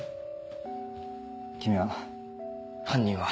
君は。